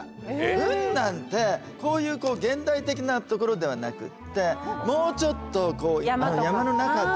雲南ってこういうこう現代的なところではなくってもうちょっとこう山の中とか。